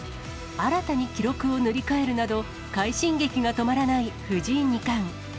新たに記録を塗り替えるなど、快進撃が止まらない藤井二冠。